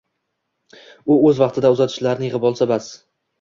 U oʻz vaqtida uzatganlarini yigʻib olsa, bas